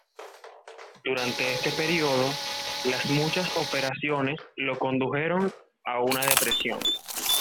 Durante este periodo, las muchas operaciones lo condujeron a una depresión.